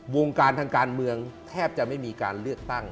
วงการทางการเมืองแทบจะไม่มีการเลือกตั้ง